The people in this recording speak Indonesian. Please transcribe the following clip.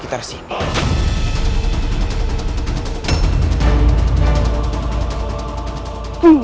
ketika kian santang dibunuh